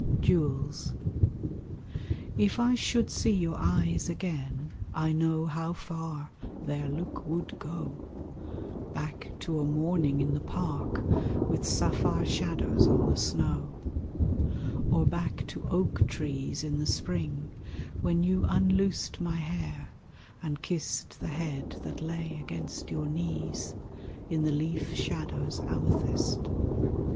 Jewels If I should see your eyes again, I know how far their look would go Back to a morning in the park With sapphire shadows on the snow. Or back to oak trees in the spring When you unloosed my hair and kissed The head that lay against your knees In the leaf shadow's amethyst.